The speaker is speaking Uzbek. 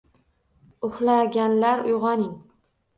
“Uxlaganlar, uygʻoning…” –